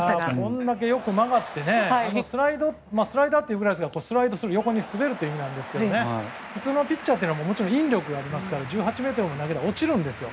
これだけよく曲がってスライダーというくらいですからスライドする横に滑るという意味ですが普通のピッチャーはもちろん引力がありますから１８ｍも投げれば落ちるんですよ